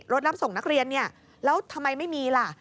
รับส่งนักเรียนเนี่ยแล้วทำไมไม่มีล่ะ